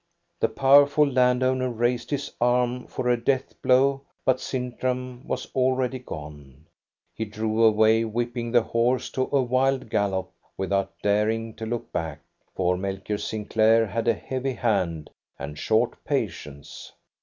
The powerful land owner raised his arm for a death blow, but Sintram was already gone. He drove away, whippit^ the horse to a wild gallop without daring to look back, for Melchior Sinclair had a heavy hand and short patience.